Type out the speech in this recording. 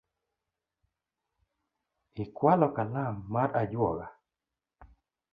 Ikualo kalam mar ajuoga?